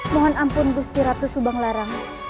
mohon ampun gusti ratu subang larang